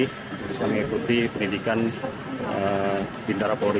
bisa mengikuti pendidikan bintara polri